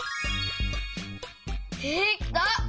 できた！